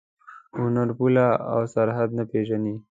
هنر پوله او سرحد نه پېژني.